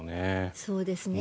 そうですね。